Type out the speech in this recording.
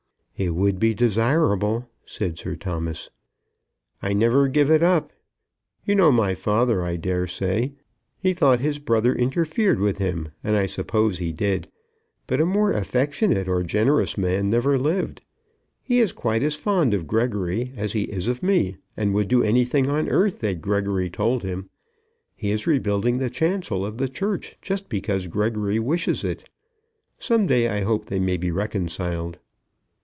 "It would be desirable," said Sir Thomas. "I never give it up. You know my father, I dare say. He thought his brother interfered with him, and I suppose he did. But a more affectionate or generous man never lived. He is quite as fond of Gregory as he is of me, and would do anything on earth that Gregory told him. He is rebuilding the chancel of the church just because Gregory wishes it. Some day I hope they may be reconciled."